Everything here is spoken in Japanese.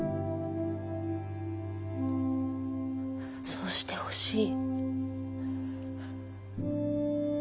そうしてほしい。